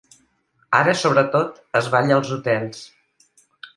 Ara sobretot es balla als hotels.